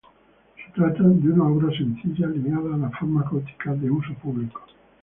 Se trata de una obra sencilla ligada a las formas góticas de uso público.